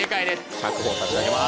１００ほぉ差し上げます。